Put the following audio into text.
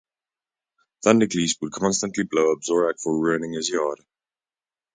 Thundercleese would constantly blow up Zorak for ruining his yard.